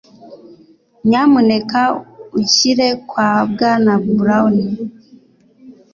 Nyamuneka unshyire kwa Bwana Brown.